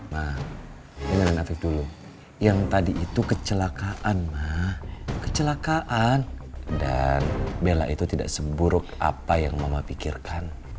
ma ingatkan afif dulu yang tadi itu kecelakaan ma kecelakaan dan bella itu tidak seburuk apa yang mama pikirkan